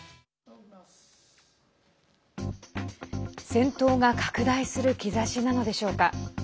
戦闘が拡大する兆しなのでしょうか。